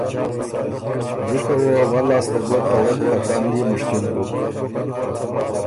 جِکه وه ول لاسته ګۀ ته وک ا کانډيې مُشکل بُک۔